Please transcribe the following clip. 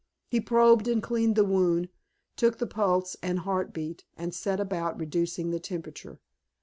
He probed and cleaned the wound, took the pulse and heart beat and set about reducing the temperature.